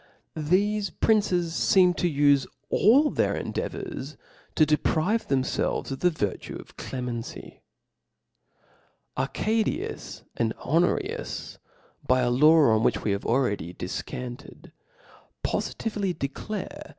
, Thele princes ieem to ufe all their endeavours to ^pr^Fe themfelves of the vir tue of clemency.. Arcadius and Honarius^ by a law (') on which (0 The t«re have already defcjinted (*), pofitively declare i^ftVe*wd.